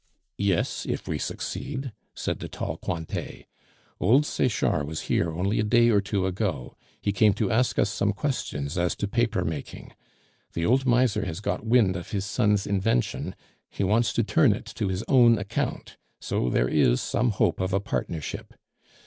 "Yes, if we succeed," said the tall Cointet. "Old Sechard was here only a day or two ago; he came to ask us some questions as to paper making. The old miser has got wind of his son's invention; he wants to turn it to his own account, so there is some hope of a partnership.